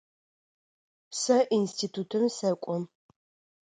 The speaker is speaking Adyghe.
Сэ институтым сэкӏо.